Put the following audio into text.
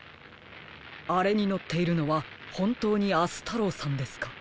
あれにのっているのはほんとうに明日太郎さんですか？